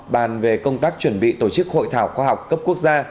bàn về công tác chuẩn bị tổ chức hội thảo khoa học cấp quốc gia